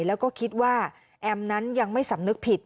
แล้วก็คิดว่าแอมนั้นยังไม่สำนึกผิด